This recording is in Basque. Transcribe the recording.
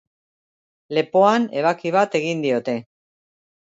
Lepoan ebaki bat egin diote.